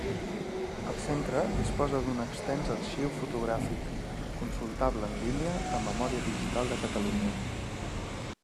El Centre disposa d'un extens arxiu fotogràfic, consultable en línia a Memòria Digital de Catalunya.